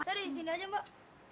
sari sini aja mbak